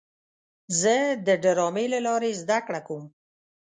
زه د ډرامې له لارې زده کړه کوم.